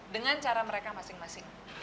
dengan cara mereka masing masing